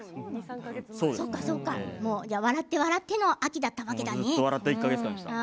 笑って笑っての秋だったわけですね。